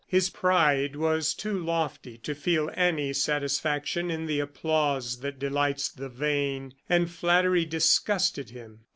His pride was too lofty to feel any satisfaction in the applause that delights the vain, and flattery disgusted him.